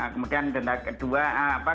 kemudian denda kedua